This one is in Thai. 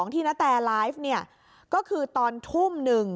ที่ณแทบอกแรกก็คือตอนทุ่ม๑